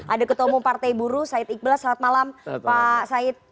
ada ketua umum partai buru said iqbal selamat malam pak said